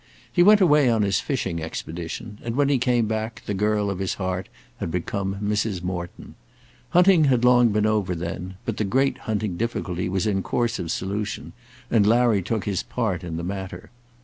He went away on his fishing expedition, and when he came back the girl of his heart had become Mrs. Morton. Hunting had long been over then, but the great hunting difficulty was in course of solution, and Larry took his part in the matter.